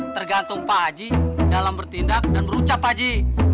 tergantung pak haji dalam bertindak dan berucap pak haji